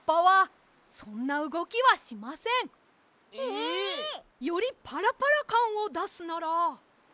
ええ！？よりパラパラかんをだすなら。